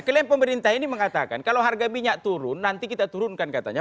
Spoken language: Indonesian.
klaim pemerintah ini mengatakan kalau harga minyak turun nanti kita turunkan katanya